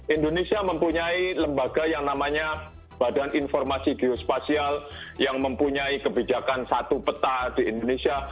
indonesia mempunyai lembaga yang namanya badan informasi geospasial yang mempunyai kebijakan satu peta di indonesia